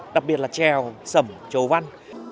đặc biệt là trèo sầm châu văn